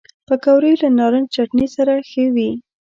پکورې له نارنج چټني سره ښه وي